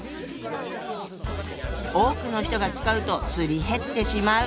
多くの人が使うとすり減ってしまう。